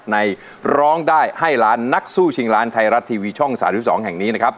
ในร้องให้ล้านนักสู้ชิงล้านทายรัดทีวีช่อง๓๒แห่งนี้